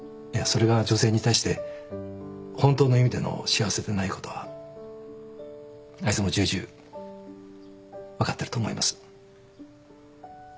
それが女性に対して本当の意味での幸せでないことはあいつも重々分かってると思います。